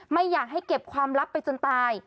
ไม่อยากให้เก็บความลับไปจนตาย